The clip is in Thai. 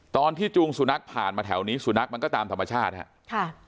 ตอนที่จูงสุนัขผ่านมาแถวนี้สุนัขมันก็ตามธรรมชาติฮะ